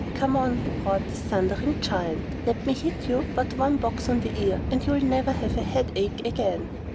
"Come on!" roared this thundering Giant. "Let me hit you but one box on the ear, and you'll never have the headache again."